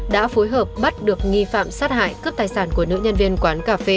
đã phối hợp bắt được nghi phạm sát hại cướp tài sản của nữ nhân viên quán cà phê